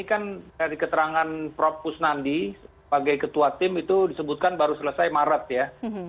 ini kan dari keterangan prof kusnandi sebagai ketua tim itu disebutkan baru selesai maret ya